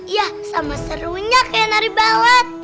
iya sama serunya kayak nari balet